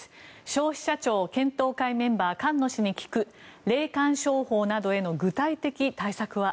消費者庁検討会メンバー菅野氏に聞く霊感商法などへの具体的対策は？